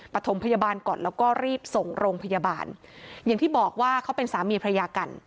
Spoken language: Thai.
ปฐมพยาบาลก่อนแล้วก็รีบส่งโรงพยาบาลอย่างที่บอกว่าเขาเป็นสามีภรรยากัน